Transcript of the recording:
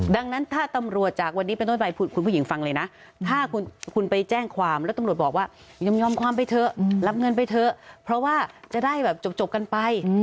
ดังนั้นถ้าตำรวจจากวันนี้เป็นต้นไปคุณผู้หญิงฟังเลยนะถ้าคุณไปแจ้งความแล้วตำรวจบอกว่ายอมความไปเถอะรับเงินไปเถอะเพราะว่าจะได้แบบจบกันไป